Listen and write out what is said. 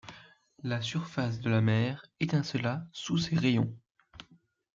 La surface de la mer étincela sous ses rayons.